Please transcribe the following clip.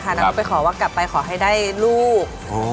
แล้วก็ไปขอว่ากลับไปขอให้ได้ลูก